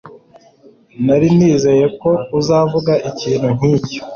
Nari nizeye ko uzavuga ikintu nkicyo.